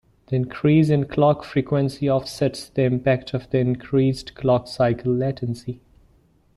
The increase in clock frequency offsets the impact of the increased clock cycle latency.